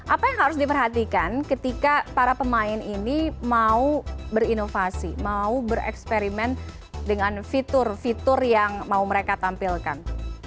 apa yang harus diperhatikan ketika para pemain ini mau berinovasi mau bereksperimen dengan fitur fitur yang mau mereka tampilkan